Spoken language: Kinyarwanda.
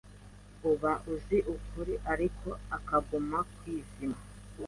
uba uzi ukuri ariko akaguma kwizima.